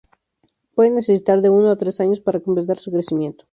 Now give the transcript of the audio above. Pueden necesitar de uno a tres años para completar su crecimiento.